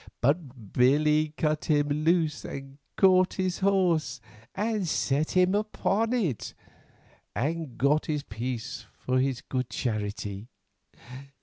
But Billy cut him loose and caught his horse and set him on it, and got this piece for his good charity.